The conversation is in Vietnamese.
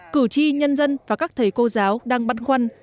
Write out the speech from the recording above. cử tri nhân dân và các thầy cô giáo đang băn khoăn